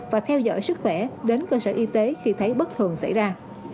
và theo dõi sức khỏe đến cơ sở y tế khi thấy bất thường xảy ra